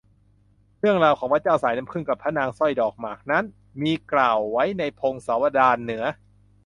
เรื่องราวของพระเจ้าสายน้ำผึ้งกับพระนางสร้อยดอกหมากนั้น มีกล่าวไว้ในพงศาวดารเหนือ